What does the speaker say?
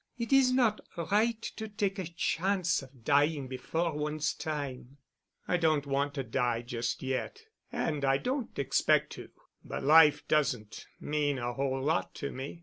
It is not right to take a chance of dying before one's time." "I don't want to die just yet, and I don't expect to, but life doesn't mean a whole lot to me.